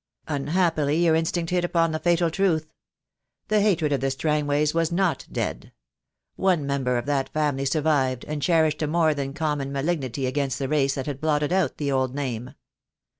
"Unhappily your instinct hit upon the fatal truth. The hatred of the Strangways was not dead. One member 276 THE DAY WILL COME. of that family survived, and cherished a more than com mon malignity against the race that had blotted out the old name."